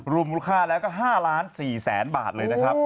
มูลค่าแล้วก็๕๔๐๐๐บาทเลยนะครับ